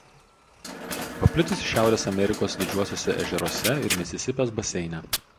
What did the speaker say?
Paplitusi Šiaurės Amerikos didžiuosiuose ežeruose ir Misisipės baseine.